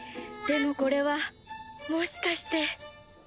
でもこれはもしかして